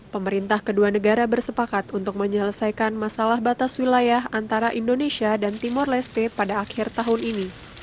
pemerintah kedua negara bersepakat untuk menyelesaikan masalah batas wilayah antara indonesia dan timur leste pada akhir tahun ini